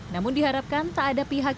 namun diharapkan tak ada pihak